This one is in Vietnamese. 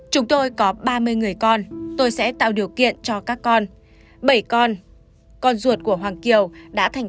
chúng tôi có ba mươi người con tôi sẽ tạo điều kiện cho các con bảy con con ruột của hoàng kiều